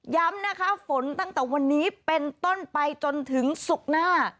ย้ำนะคะฝนตั้งแต่วันนี้เป็นต้นไปจนถึงศุกร์หน้า